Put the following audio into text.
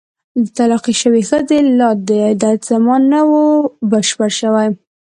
د طلاقې شوې ښځې لا د عدت زمان نه وو بشپړ شوی.